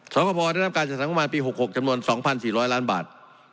สรรคพได้นำการจัดสรรค์โครงการปี๖๖จำนวน๒๔๐๐ล้านบาท